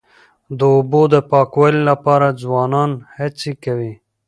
د اوبو د پاکوالي لپاره ځوانان هڅې کوي.